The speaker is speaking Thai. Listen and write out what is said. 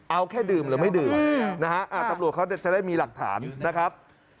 เอาแค่ดื่มหรือไม่ดื่มนะฮะตำรวจเขาจะได้มีหลักฐานนะครับ